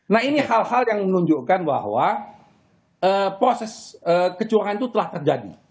nah ini hal hal yang menunjukkan bahwa proses kecurangan itu telah terjadi